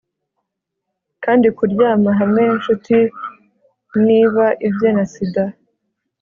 kandi kuryama hamwe ninshuti niba ibye, na sida